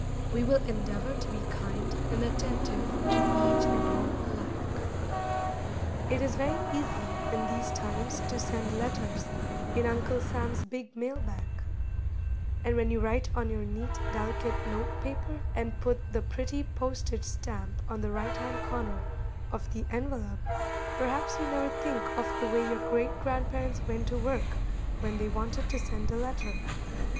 We will endeavor to be kind and attentive to each and all alike. It is very easy in these times to send letters in Uncle Sam's big mail bag; and when you write on your neat, delicate note paper, and put the pretty postage stamp on the right hand corner of the envelope, perhaps you never think of the way your great grandparents went to work when they wanted to send a letter.